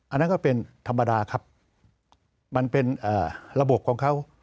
อันนั้นก็เป็นธรรมดาครับมันเป็นระบบของเขา